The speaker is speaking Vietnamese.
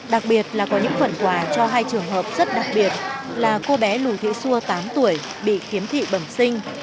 đặc biệt là có những phần quà cho hai trường hợp rất đặc biệt là cô bé lù thị xua tám tuổi bị khiếm thị bẩm sinh